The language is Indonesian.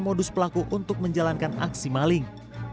modus pelaku untuk menjalankan aksi maling